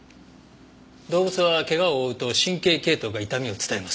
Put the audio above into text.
動物はケガを負うと神経系統が痛みを伝えます。